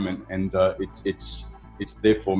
melindungi kita di dalam alam cloud